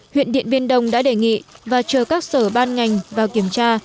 huyện điện biên đông đã đề nghị và chờ các sở ban ngành vào kiểm tra